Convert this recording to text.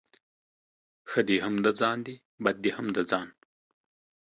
ښه دي هم د ځان دي ، بد دي هم د ځآن.